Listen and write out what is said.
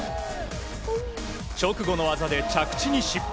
直後の技で着地に失敗。